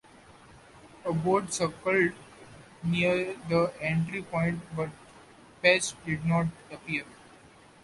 A boat circled near the entry point, but Patch did not appear.